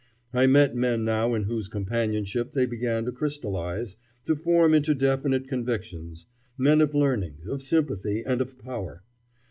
I met men now in whose companionship they began to crystallize, to form into definite convictions; men of learning, of sympathy, and of power.